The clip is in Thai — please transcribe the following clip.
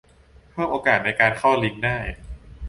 เพิ่มโอกาสในการเข้าลิงก์ได้